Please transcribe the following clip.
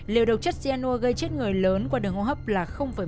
liều độc chất xenua gây chết người lớn qua đường hô hấp là một mươi hai năm